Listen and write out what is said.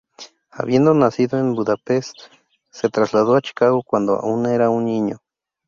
Habiendo nacido en Budapest, se trasladó a Chicago cuando aún era un niño.